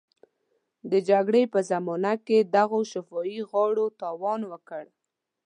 د جګړې په زمانه کې دغو شفاهي غاړو تاوان وکړ.